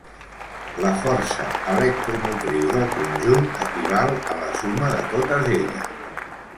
La força electromotriu del conjunt equival a la suma de totes elles.